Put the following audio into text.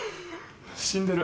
死んでる。